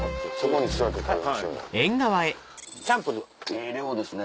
ええ量ですね